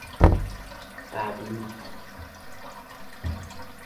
قبلیت